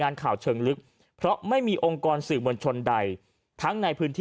ข่าวเชิงลึกเพราะไม่มีองค์กรสื่อมวลชนใดทั้งในพื้นที่